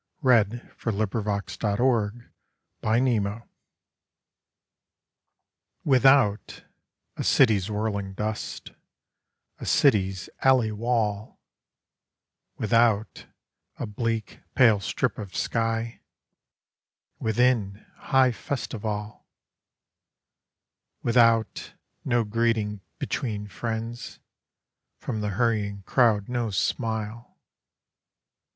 Heart's Holiday Grace Fallow Norton WITHOUT, a city's whirling dust,A city's alley wall; Without, a bleak, pale strip of sky. Within, high festival. Without, no greeting between friends, From the hurrying crowd no smile.